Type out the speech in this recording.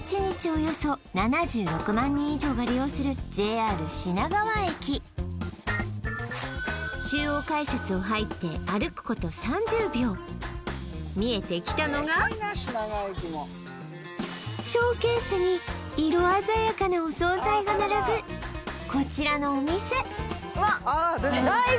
およそ７６万人以上が利用するＪＲ品川駅中央改札を入って歩くこと３０秒見えてきたのがショーケースに色鮮やかなお惣菜が並ぶこちらのお店うわっ